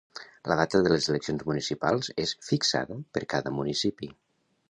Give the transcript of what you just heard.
La data de les eleccions municipals és fixada per cada municipi.